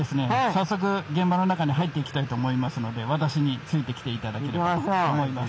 早速現場の中に入っていきたいと思いますので私についてきて頂きたいと思います。